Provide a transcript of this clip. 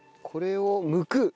これをむく。